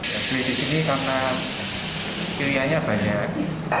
ya beli di sini karena pilihannya banyak